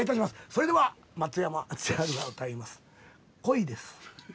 それでは松山千春が歌います「恋」です。